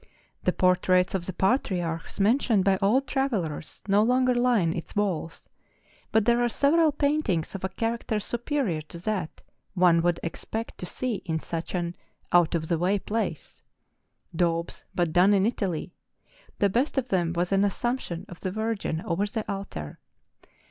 The portraits 204 MOUNTAIN ADVENTURES. of the patriarchs mentioned by old travellers, no longer line its walls, but there are several paintings of a character superior to that one would expect to see in such an out of the way place,— daubs, but done in Italy; the best of them was an assumption of the Virgin over the altar.